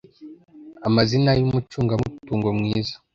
amazina y umucungamutungo mwiza